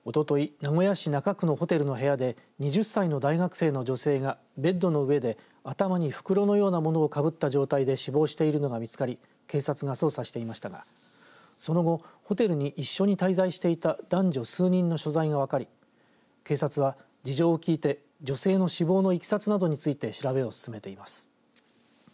名古屋市中区のホテルの部屋で２０歳の大学生の女性が、ベッドの上で頭に袋のようなものをかぶった状態で死亡しているのが見つかり警察が捜査していましたがその後ホテルに一緒に滞在していた男女数人の所在が分かり警察は事情を聴いて女性の死亡のいきさつなどについて調べを進めています。